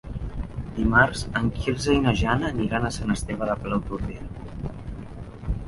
Dimarts en Quirze i na Jana aniran a Sant Esteve de Palautordera.